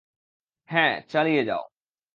হ্যাঁ, চালিয়ে যাও।